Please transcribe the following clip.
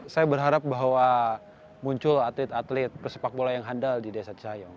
saya berharap bahwa muncul atlet atlet persepak bola yang handal di desa cayong